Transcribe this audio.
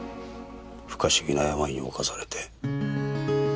不可思議な病に侵されて。